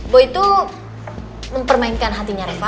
bo itu mempermainkan hatinya reva